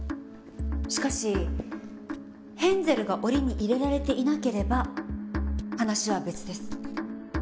しかしヘンゼルが檻に入れられていなければ話は別です。